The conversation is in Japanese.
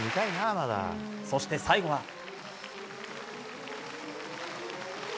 そして、最後は。